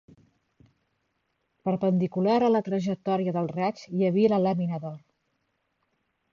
Perpendicular a la trajectòria del raig hi havia la làmina d'or.